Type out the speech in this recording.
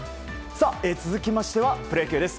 続きましてはプロ野球です。